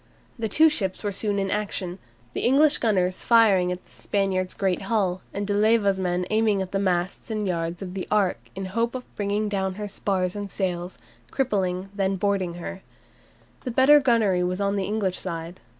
The two ships were soon in action, the English gunners firing at the Spaniard's great hull, and De Leyva's men aiming at the masts and yards of the "Ark" in the hope of bringing down her spars and sails, crippling and then boarding her. The better gunnery was on the English side.